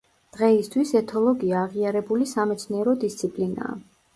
დღეისთვის ეთოლოგია აღიარებული სამეცნიერო დისციპლინაა.